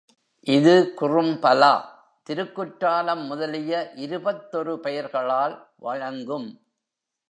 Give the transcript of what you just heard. இது குறும்பலா, திருக்குற்றாலம் முதலிய இருபத்தொரு பெயர்களால் வழங்கும்.